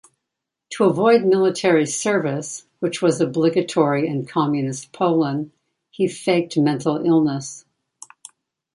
To avoid military service, which was obligatory in Communist Poland, he faked mental illness.